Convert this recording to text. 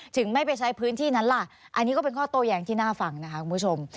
ไม่ไปใช้พื้นที่นั้นล่ะอันนี้ก็เป็นข้อโต้แย้งที่น่าฟังนะคะคุณผู้ชม